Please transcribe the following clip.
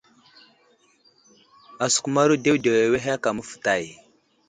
Asəkumaro ɗeɗew awehe aka məfətay.